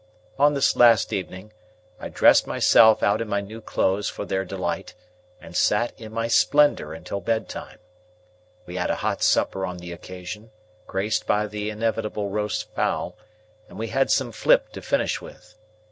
On this last evening, I dressed myself out in my new clothes for their delight, and sat in my splendour until bedtime. We had a hot supper on the occasion, graced by the inevitable roast fowl, and we had some flip to finish with.